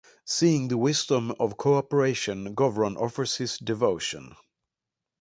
Seeing the wisdom of cooperation, Gowron offers his devotion.